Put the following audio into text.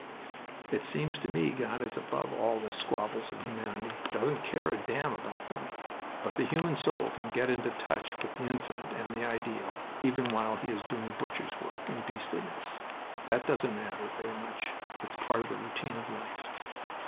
It seems to me God is above all the squabbles of humanity doesn't care a damn about them! but the human soul can get into touch with the infinite and the ideal, even while he is doing butcher's work, and beastliness. That doesn't matter very much. It's part of the routine of life."